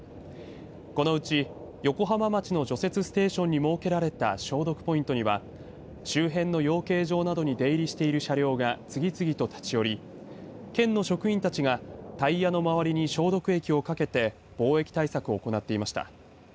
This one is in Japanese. このうち横浜町の除雪ステーションに設けられた消毒ポイントには周辺の養鶏場などに出入りしている車両が次々と立ち寄り、県の職員たちがタイヤの周りに消毒液をかけて防疫対策を行っていました。